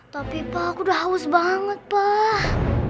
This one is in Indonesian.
tapi pak aku sudah haus banget pak